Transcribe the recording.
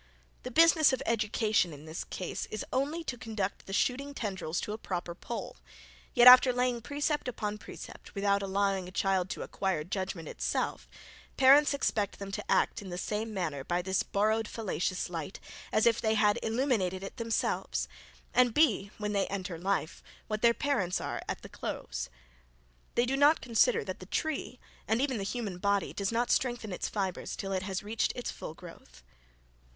The business of education in this case, is only to conduct the shooting tendrils to a proper pole; yet after laying precept upon precept, without allowing a child to acquire judgment itself, parents expect them to act in the same manner by this borrowed fallacious light, as if they had illuminated it themselves; and be, when they enter life, what their parents are at the close. They do not consider that the tree, and even the human body, does not strengthen its fibres till it has reached its full growth.